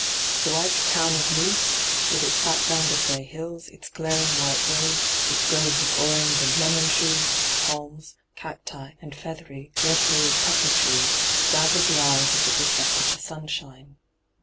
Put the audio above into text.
The white town of Nice, with its background of grey hills, its glaring white roads, its groves of orange and lemon trees, palma, cacti, and feathery, red berried pepper trees, dazzled the eyes as it reflected the sunshine.